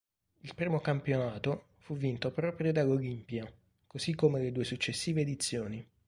Il primo campionato fu vinto proprio dall'Olimpija, così come le due successive edizioni.